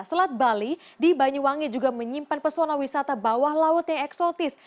selat bali di banyuwangi juga menyimpan pesona wisata bawah laut yang eksotis